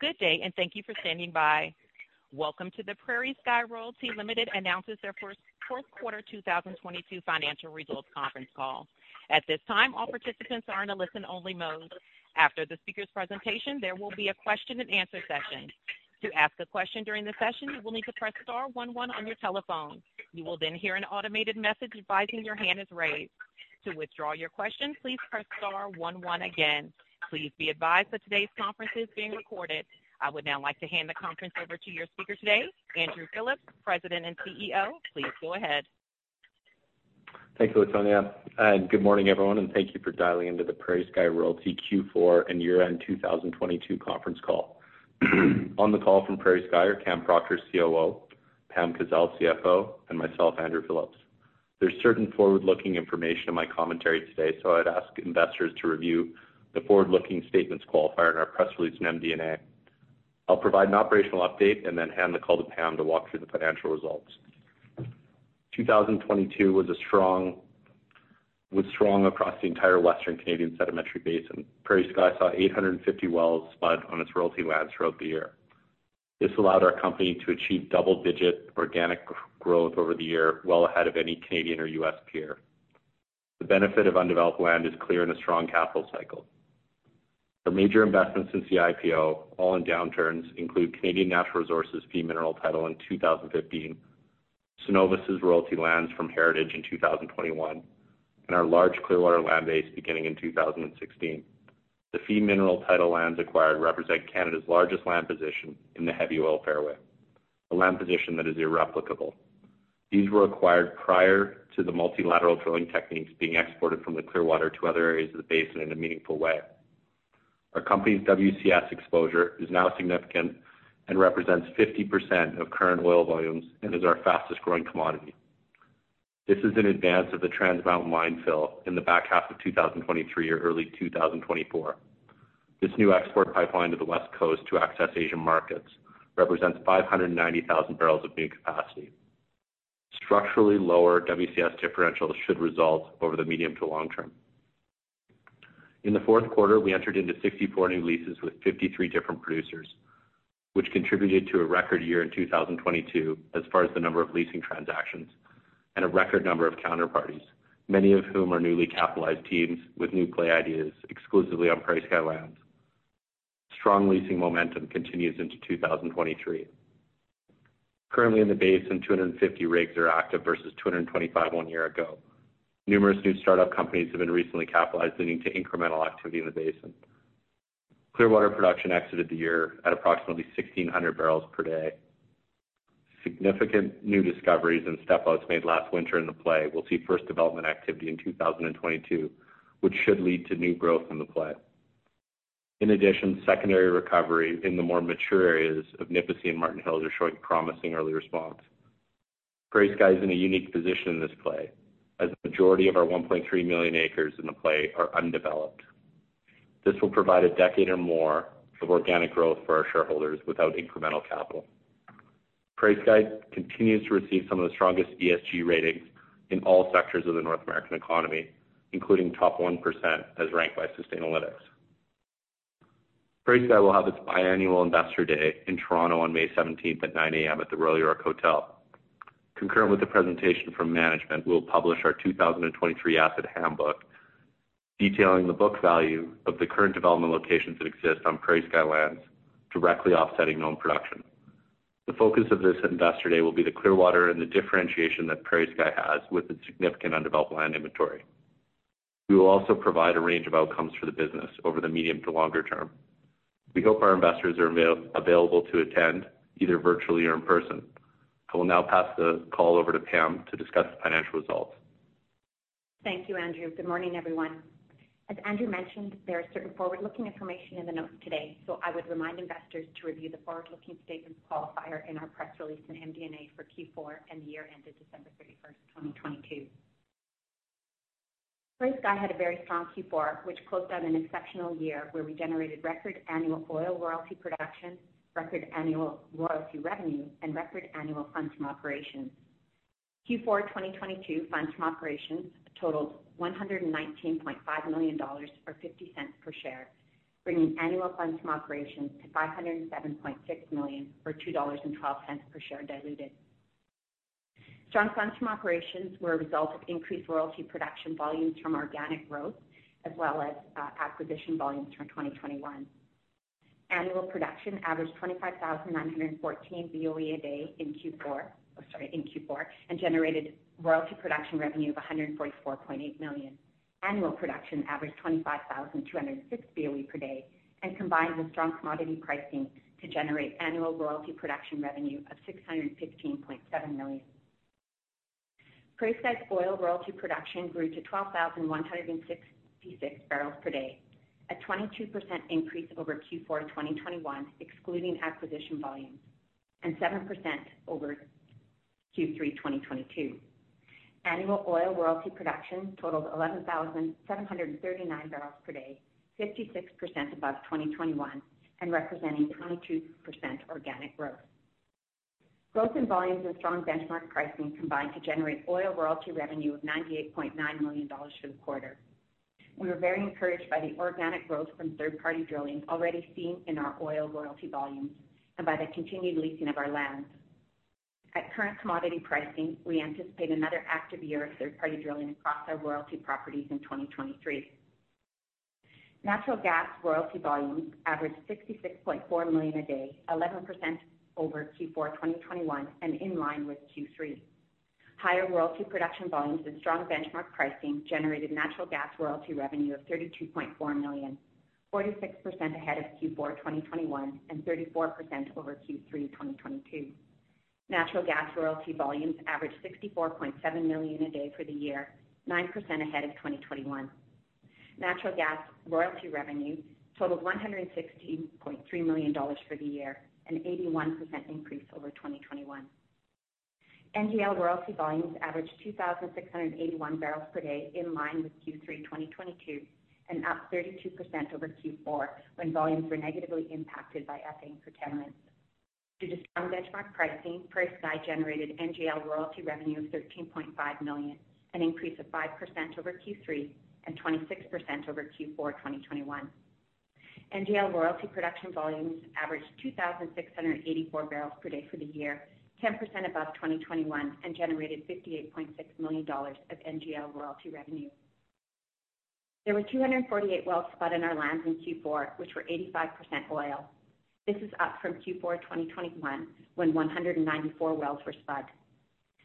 Good day. Thank you for standing by. Welcome to the PrairieSky Royalty Ltd. announces their fourth quarter 2022 financial results conference call. At this time, all participants are in a listen only mode. After the speaker's presentation, there will be a question and answer session. To ask a question during the session, you will need to press star one one on your telephone. You will then hear an automated message advising your hand is raised. To withdraw your question, please press star one one again. Please be advised that today's conference is being recorded. I would now like to hand the conference over to your speaker today, Andrew Phillips, President and CEO. Please go ahead. Thanks, Latonia, and good morning, everyone, and thank you for dialing into the PrairieSky Royalty Q4 and year-end 2022 conference call. On the call from PrairieSky are Cam Proctor, COO, Pam Kazeil, CFO, and myself, Andrew Phillips. There's certain forward-looking information in my commentary today, so I'd ask investors to review the forward-looking statements qualifier in our press release and MD&A. I'll provide an operational update and then hand the call to Pam to walk through the financial results. 2022 was strong across the entire Western Canadian sedimentary basin. PrairieSky saw 850 wells spud on its royalty lands throughout the year. This allowed our company to achieve double-digit organic growth over the year, well ahead of any Canadian or U.S. peer. The benefit of undeveloped land is clear in a strong capital cycle. Our major investments since the IPO, all in downturns, include Canadian Natural Resources fee mineral title in 2015, Suncor royalty lands from Heritage in 2021, and our large Clearwater land base beginning in 2016. The fee mineral title lands acquired represent Canada's largest land position in the heavy oil fairway, a land position that is irreplicable. These were acquired prior to the multilateral drilling techniques being exported from the Clearwater to other areas of the basin in a meaningful way. Our company's WCS exposure is now significant and represents 50% of current oil volumes and is our fastest-growing commodity. This is in advance of the Trans Mountain line fill in the back half of 2023 or early 2024. This new export pipeline to the West Coast to access Asian markets represents 590,000 barrels of new capacity. Structurally lower WCS differentials should result over the medium to long term. In the fourth quarter, we entered into 64 new leases with 53 different producers, which contributed to a record year in 2022 as far as the number of leasing transactions and a record number of counterparties, many of whom are newly capitalized teams with new play ideas exclusively on PrairieSky lands. Strong leasing momentum continues into 2023. Currently in the basin, 250 rigs are active versus 225 one year ago. Numerous new startup companies have been recently capitalized, leading to incremental activity in the basin. Clearwater production exited the year at approximately 1,600 barrels per day. Significant new discoveries and step outs made last winter in the play will see first development activity in 2022, which should lead to new growth in the play. In addition, secondary recovery in the more mature areas of Nipisi and Martin Hills are showing promising early response. PrairieSky is in a unique position in this play, as the majority of our 1.3 million acres in the play are undeveloped. This will provide a decade or more of organic growth for our shareholders without incremental capital. PrairieSky continues to receive some of the strongest ESG ratings in all sectors of the North American economy, including top 1% as ranked by Sustainalytics. PrairieSky will have its biannual Investor Day in Toronto on May 17th at 9:00 A.M. at the Royal York Hotel. Concurrent with the presentation from management, we'll publish our 2023 asset handbook, detailing the book value of the current development locations that exist on PrairieSky lands, directly offsetting known production. The focus of this Investor Day will be the Clearwater and the differentiation that PrairieSky has with its significant undeveloped land inventory. We will also provide a range of outcomes for the business over the medium to longer term. We hope our investors are available to attend either virtually or in person. I will now pass the call over to Pam to discuss the financial results. Thank you, Andrew. Good morning, everyone. As Andrew mentioned, there is certain forward-looking information in the notes today, so I would remind investors to review the forward-looking statements qualifier in our press release and MD&A for Q4 and the year ended December 31st, 2022. PrairieSky had a very strong Q4, which closed out an exceptional year where we generated record annual oil royalty production, record annual royalty revenue, and record annual funds from operations. Q4 2022 funds from operations totaled 119.5 million dollars, or 0.50 per share, bringing annual funds from operations to 507.6 million, or 2.12 per share diluted. Strong funds from operations were a result of increased royalty production volumes from organic growth as well as acquisition volumes from 2021. Annual production averaged 25,914 BOE/day in Q4, generated royalty production revenue of 144.8 million. Annual production averaged 25,206 BOE/day, combined with strong commodity pricing to generate annual royalty production revenue of 615.7 million. PrairieSky's oil royalty production grew to 12,166 barrels per day, a 22% increase over Q4 2021, excluding acquisition volumes, and 7% over Q3 2022. Annual oil royalty production totaled 11,739 barrels/day, 56% above 2021 and representing 22% organic growth. Growth in volumes and strong benchmark pricing combined to generate oil royalty revenue of 98.9 million dollars for the quarter. We were very encouraged by the organic growth from third-party drilling already seen in our oil royalty volumes and by the continued leasing of our lands. At current commodity pricing, we anticipate another active year of third-party drilling across our royalty properties in 2023. Natural gas royalty volumes averaged 66.4 million a day, 11% over Q4 2021 and in line with Q3. Higher royalty production volumes and strong benchmark pricing generated natural gas royalty revenue of 32.4 million, 46% ahead of Q4 2021 and 34% over Q3 2022. Natural gas royalty volumes averaged 64.7 million a day for the year, 9% ahead of 2021. Natural gas royalty revenue totaled 116.3 million dollars for the year, an 81% increase over 2021. NGL royalty volumes averaged 2,681 barrels per day in line with Q3 2022 and up 32% over Q4 when volumes were negatively impacted by ethane curtailments. Due to strong benchmark pricing, PrairieSky generated NGL royalty revenue of 13.5 million, an increase of 5% over Q3 and 26% over Q4 2021. NGL royalty production volumes averaged 2,684 barrels per day for the year, 10% above 2021, and generated 58.6 million dollars of NGL royalty revenue. There were 248 wells spud in our lands in Q4, which were 85% oil. This is up from Q4 2021 when 194 wells were spud.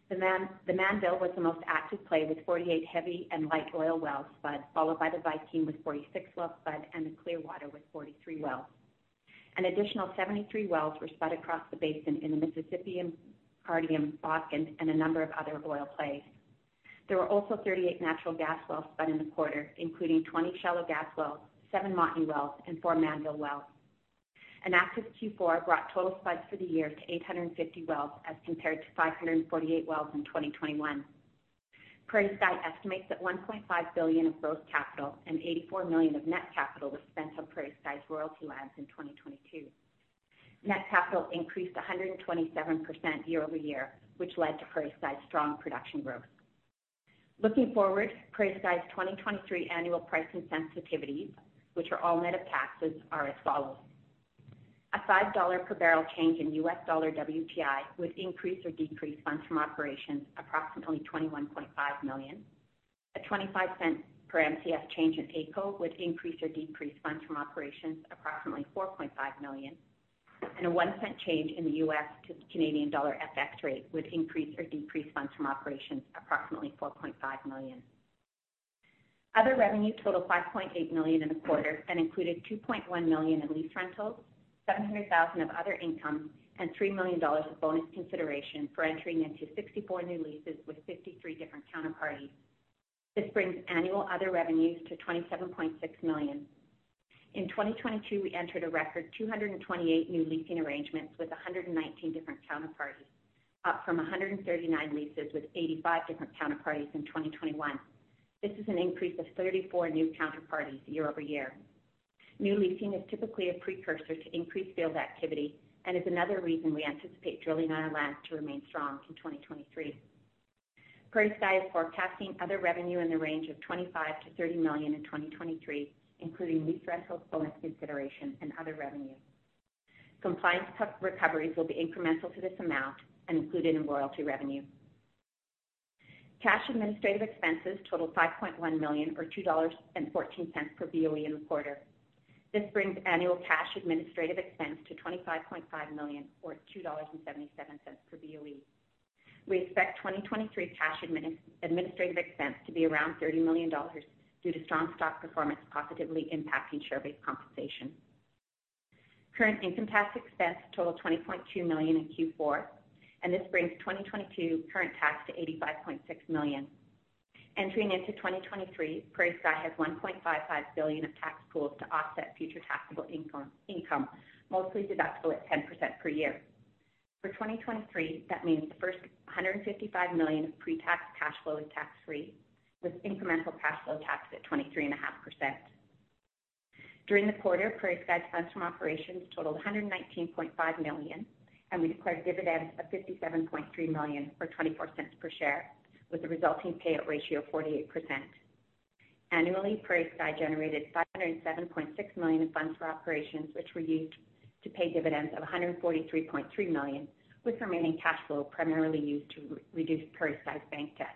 The Mannville was the most active play with 48 heavy and light oil wells spud, followed by the Viking with 46 wells spud and the Clearwater with 43 wells. An additional 73 wells were spud across the basin in the Mississippian, Cardium, Viking, and a number of other oil plays. There were also 38 natural gas wells spud in the quarter, including 20 shallow gas wells, seven Montney wells, and four Mannville wells. An active Q4 brought total spuds for the year to 850 wells as compared to 548 wells in 2021. PrairieSky estimates that 1.5 billion of gross capital and 84 million of net capital was spent on PrairieSky's royalty lands in 2022. Net capital increased 127% year-over-year, which led to PrairieSky's strong production growth. Looking forward, PrairieSky's 2023 annual pricing sensitivities, which are all net of taxes, are as follows. A $5 per barrel change in U.S. dollar WTI would increase or decrease funds from operations approximately 21.5 million. A $0.25 per Mcf change in AECO would increase or decrease funds from operations approximately 4.5 million. A $0.01 change in the U.S. to Canadian dollar FX rate would increase or decrease funds from operations approximately 4.5 million. Other revenue totaled 5.8 million in the quarter and included 2.1 million in lease rentals, 700,000 of other income, and 3 million dollars of bonus consideration for entering into 64 new leases with 53 different counterparties. This brings annual other revenues to 27.6 million. In 2022, we entered a record 228 new leasing arrangements with 119 different counterparties, up from 139 leases with 85 different counterparties in 2021. This is an increase of 34 new counterparties year-over-year. New leasing is typically a precursor to increased field activity and is another reason we anticipate drilling on our lands to remain strong in 2023. PrairieSky is forecasting other revenue in the range of 25 million-30 million in 2023, including lease rentals, bonus consideration, and other revenue. Compliance recoveries will be incremental to this amount and included in royalty revenue. Cash administrative expenses totaled 5.1 million or 2.14 dollars per BOE in the quarter. This brings annual cash administrative expense to 25.5 million or 2.77 dollars per BOE. We expect 2023 cash administrative expense to be around 30 million dollars due to strong stock performance positively impacting share-based compensation. Current income tax expense totaled 20.2 million in Q4. This brings 2022 current tax to 85.6 million. Entering into 2023, PrairieSky has 1.55 billion of tax pools to offset future taxable income, mostly deductible at 10% per year. For 2023, that means the first 155 million of pre-tax cash flow is tax free, with incremental cash flow taxed at 23.5%. During the quarter, PrairieSky's funds from operations totaled 119.5 million. We declared dividends of 57.3 million or 0.24 per share, with a resulting payout ratio of 48%. Annually, PrairieSky generated 507.6 million in funds for operations, which were used to pay dividends of 143.3 million, with remaining cash flow primarily used to re-reduce PrairieSky's bank debt.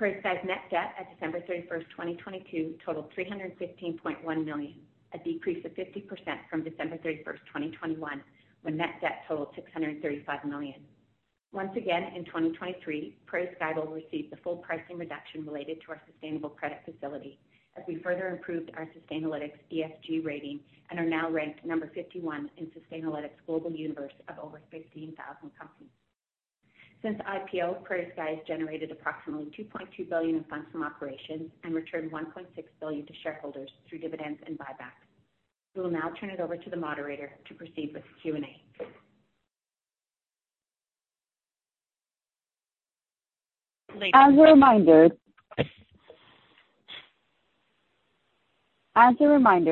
PrairieSky's net debt at December 31st, 2022 totaled 315.1 million, a decrease of 50% from December 31st, 2021, when net debt totaled 635 million. In 2023, PrairieSky will receive the full pricing reduction related to our sustainable credit facility as we further improved our Sustainalytics ESG rating and are now ranked number 51 in Sustainalytics global universe of over 15,000 companies. Since IPO, PrairieSky has generated approximately 2.2 billion in funds from operations and returned 1.6 billion to shareholders through dividends and buybacks. We will now turn it over to the moderator to proceed with Q&A. As a reminder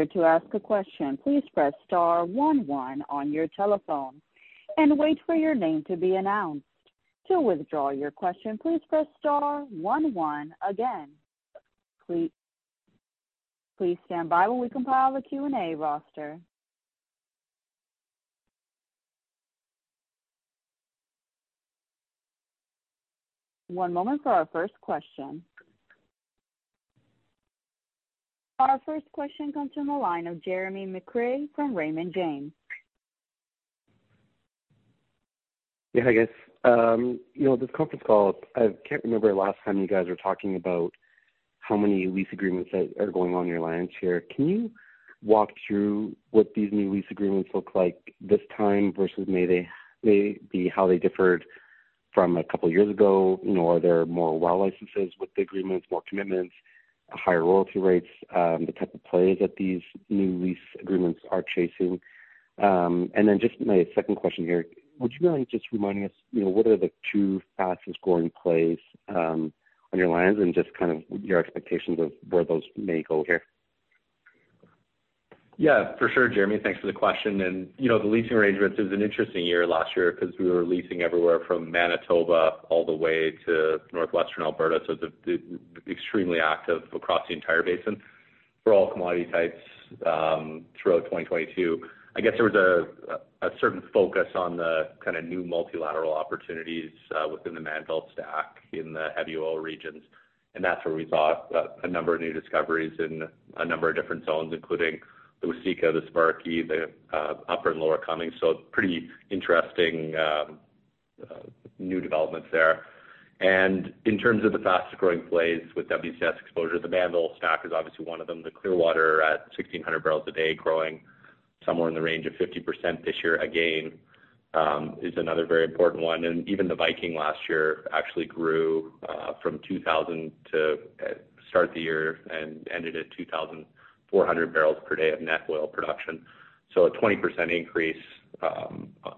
to ask a question, please press star one one on your telephone and wait for your name to be announced. To withdraw your question, please press star one one again. Please stand by while we compile the Q&A roster. One moment for our first question. Our first question comes from the line of Jeremy McCrea from Raymond James. Yeah, hi guys. You know, this conference call, I can't remember the last time you guys were talking about how many lease agreements that are going on your lines here. Can you walk through what these new lease agreements look like this time versus maybe how they differed from a couple of years ago? You know, are there more well licenses with the agreements, more commitments, higher royalty rates, the type of plays that these new lease agreements are chasing? Just my second question here, would you mind just reminding us, you know, what are the two fastest growing plays on your lines and just kind of your expectations of where those may go here? Yeah, for sure, Jeremy, thanks for the question. You know the leasing arrangements, it was an interesting year last year because we were leasing everywhere from Manitoba all the way to northwestern Alberta. It's extremely active across the entire basin for all commodity types throughout 2022. I guess there was a certain focus on the kind of new multilateral opportunities within the Mannville stack in the heavy oil regions. That's where we saw a number of new discoveries in a number of different zones, including the Waseca, the Sparky, the upper and lower Cummings. Pretty interesting new developments there. In terms of the fastest-growing plays with WCS exposure, the Mannville stack is obviously one of them. The Clearwater at 1,600 barrels a day, growing somewhere in the range of 50% this year again, is another very important one. Even the Viking last year actually grew, from 2,000 to start the year and ended at 2,400 barrels per day of net oil production. A 20% increase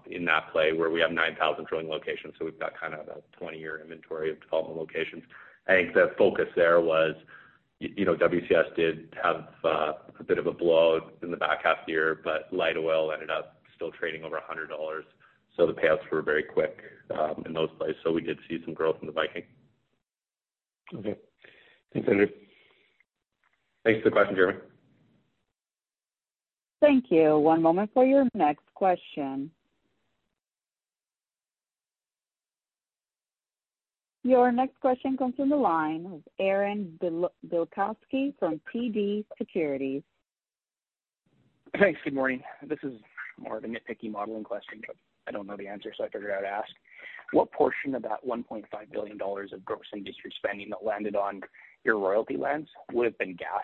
in that play where we have 9,000 drilling locations. We've got kind of a 20-year inventory of development locations. I think the focus there was, you know, WCS did have a bit of a blow in the back half of the year, but light oil ended up still trading over 100 dollars. The paths were very quick in those plays. We did see some growth in the Viking. Okay. Thanks, Andrew. Thanks for the question, Jeremy. Thank you. One moment for your next question. Your next question comes from the line of Aaron Bilkoski from TD Securities. Thanks. Good morning. This is more of a nitpicky modeling question, but I don't know the answer, so I figured I'd ask. What portion of that 1.5 billion dollars of gross industry spending that landed on your royalty lands would have been gas,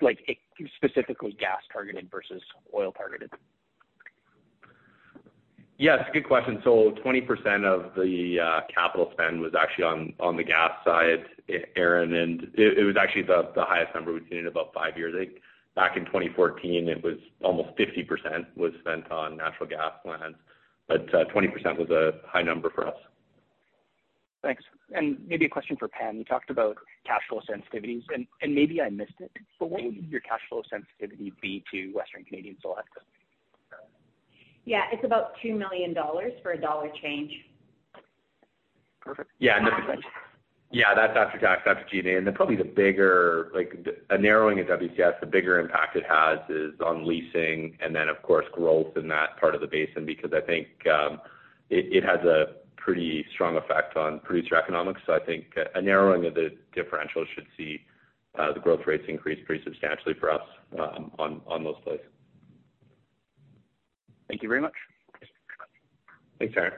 like specifically gas targeted versus oil targeted? Yes, good question. 20% of the capital spend was actually on the gas side, Aaron, and it was actually the highest number we've seen in about five years. I think back in 2014, it was almost 50% was spent on natural gas lands, but 20% was a high number for us. Thanks. Maybe a question for Pam. You talked about cash flow sensitivities, and maybe I missed it, but what would your cash flow sensitivity be to Western Canadian Select? Yeah. It's about 2 million dollars for a CAD 1 change. Perfect. Yeah. Thanks. Yeah, that's after tax, that's G&A. Then probably the bigger, like a narrowing of WCS, the bigger impact it has is on leasing and then of course growth in that part of the basin, because I think it has a pretty strong effect on producer economics. I think a narrowing of the differential should see the growth rates increase pretty substantially for us on those plays. Thank you very much. Thanks, Aaron.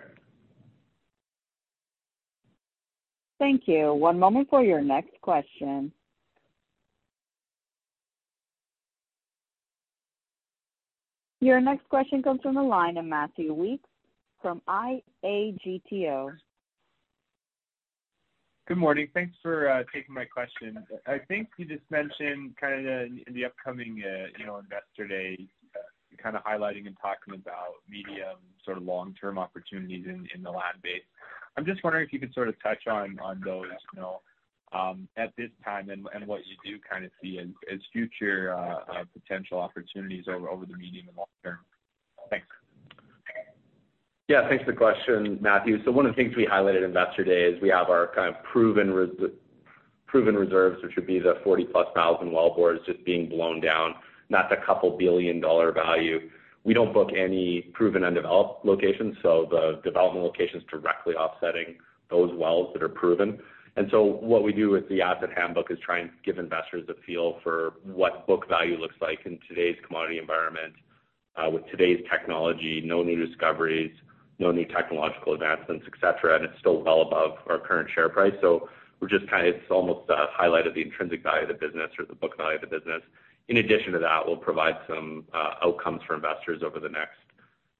Thank you. One moment for your next question. Your next question comes from the line of Matthew Weekes from ATB Capital Markets. Good morning. Thanks for taking my question. I think you just mentioned kind of the upcoming, you know, Investor Day, kind of highlighting and talking about medium sort of long-term opportunities in the land base. I'm just wondering if you could sort of touch on those, you know, at this time and what you do kind of see as future potential opportunities over the medium and long term. Thanks. Yeah, thanks for the question, Matthew. One of the things we highlighted at Investor Day is we have our kind of proven reserves, which would be the 40 plus thousand wellboards just being blown down, not the 2 billion dollar value. We don't book any proven undeveloped locations, so the development locations directly offsetting those wells that are proven. What we do with the asset handbook is try and give investors a feel for what book value looks like in today's commodity environment, with today's technology, no new discoveries, no new technological advancements, et cetera. It's still well above our current share price. It's almost a highlight of the intrinsic value of the business or the book value of the business. In addition to that, we'll provide some outcomes for investors over the next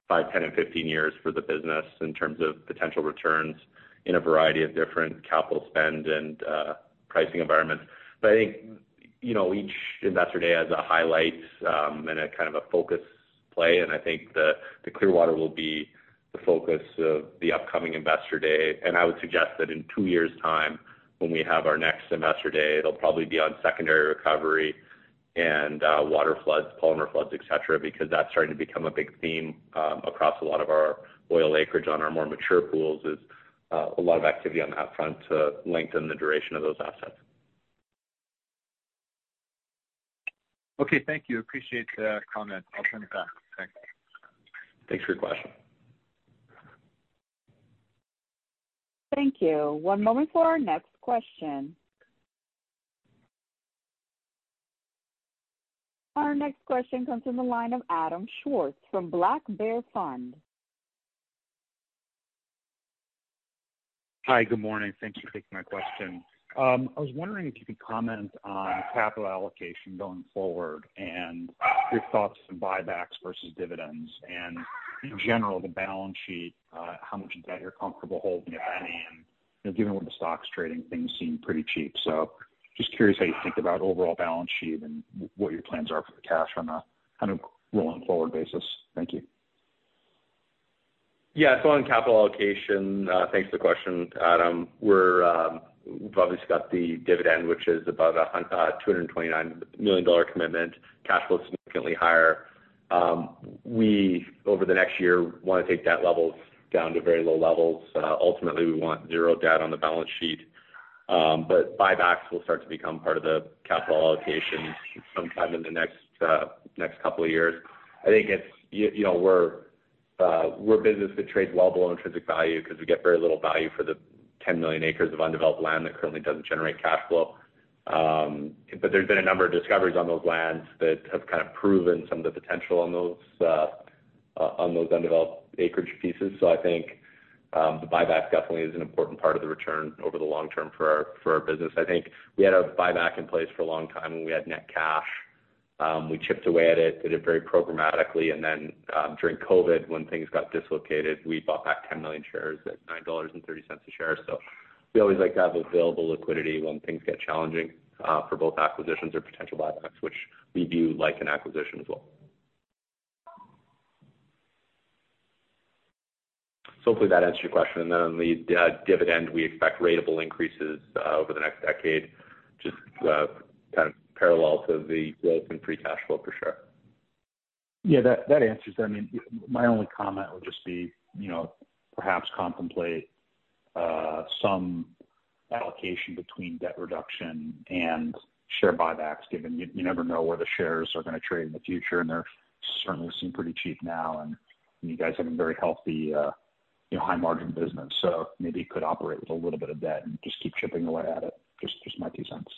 five, 10, and 15 years for the business in terms of potential returns in a variety of different capital spend and pricing environments. I think, you know, each Investor Day has a highlight and a kind of a focus play. I think the Clearwater will be the focus of the upcoming Investor Day. I would suggest that in two years time, when we have our next Investor Day, it'll probably be on secondary recovery and water floods, polymer floods, et cetera, because that's starting to become a big theme across a lot of our oil acreage on our more mature pools, is a lot of activity on that front to lengthen the duration of those assets. Okay, thank you. Appreciate the comment. I'll turn it back. Thanks. Thanks for your question. Thank you. One moment for our next question. Our next question comes from the line of Adam Schwartz from Black Bear Value Partners. Hi. Good morning. Thank you for taking my question. I was wondering if you could comment on capital allocation going forward and your thoughts on buybacks versus dividends and in general, the balance sheet, how much of that you're comfortable holding, if any, and, you know, given where the stock's trading, things seem pretty cheap. Just curious how you think about overall balance sheet and what your plans are for the cash on a rolling forward basis. Thank you. On capital allocation, thanks for the question, Adam. We've obviously got the dividend, which is about a 229 million dollar commitment. Cash flow is significantly higher. We, over the next year, wanna take debt levels down to very low levels. Ultimately, we want zero debt on the balance sheet. Buybacks will start to become part of the capital allocation sometime in the next couple of years. I think it's, you know, we're a business that trades well below intrinsic value because we get very little value for the 10 million acres of undeveloped land that currently doesn't generate cash flow. There's been a number of discoveries on those lands that have kind of proven some of the potential on those undeveloped acreage pieces. I think the buyback definitely is an important part of the return over the long term for our business. I think we had a buyback in place for a long time, and we had net cash. We chipped away at it, did it very programmatically, and then during COVID, when things got dislocated, we bought back 10 million shares at 9.30 dollars a share. We always like to have available liquidity when things get challenging for both acquisitions or potential buybacks, which we do like an acquisition as well. Hopefully that answers your question. On the dividend, we expect ratable increases over the next decade, just kind of parallel to the growth in free cash flow per share. Yeah, that answers. I mean, my only comment would just be, you know, perhaps contemplate some allocation between debt reduction and share buybacks, given you never know where the shares are gonna trade in the future, and they're certainly seem pretty cheap now. You guys have a very healthy, you know, high margin business. Maybe you could operate with a little bit of debt and just keep chipping away at it. Just my two cents.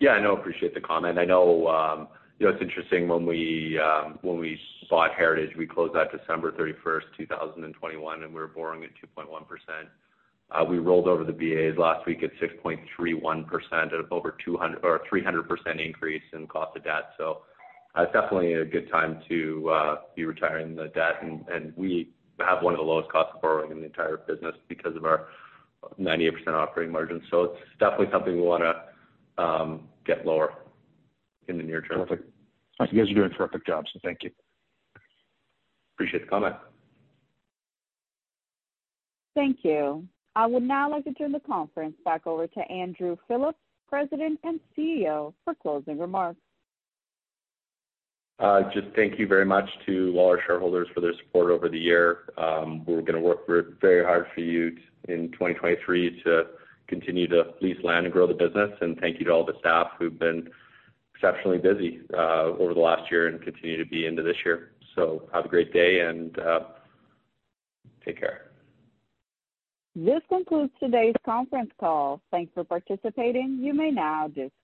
Yeah, no, appreciate the comment. I know, you know, it's interesting, when we, when we bought Heritage, we closed that December 31st, 2021. We were borrowing at 2.1%. We rolled over the BAs last week at 6.31% at over 300% increase in cost of debt. It's definitely a good time to be retiring the debt. We have one of the lowest cost of borrowing in the entire business because of our 98% operating margin. It's definitely something we wanna get lower in the near term. Perfect. You guys are doing a terrific job, so thank you. Appreciate the comment. Thank you. I would now like to turn the conference back over to Andrew Phillips, President and CEO, for closing remarks. Just thank you very much to all our shareholders for their support over the year. We're gonna work very hard for you in 2023 to continue to lease land and grow the business. Thank you to all the staff who've been exceptionally busy over the last year and continue to be into this year. Have a great day and take care. This concludes today's conference call. Thanks for participating. You may now disconnect.